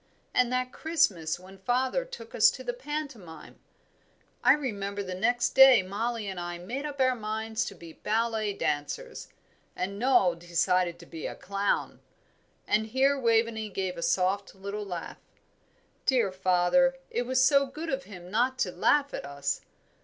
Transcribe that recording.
and that Christmas when father took us to the pantomime! I remember the next day Mollie and I made up our minds to be ballet dancers, and Noel decided to be a clown;" and here Waveney gave a soft little laugh. "Dear father, it was so good of him not to laugh at us.